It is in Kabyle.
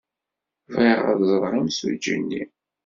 Bɣiɣ ad ẓreɣ imsujji-nni.